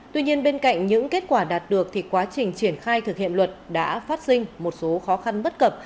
tuy nhiên bên cạnh những kết quả đạt được thì quá trình triển khai thực hiện luật đã phát sinh một số khó khăn bất cập